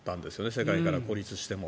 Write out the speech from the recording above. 世界から孤立しても。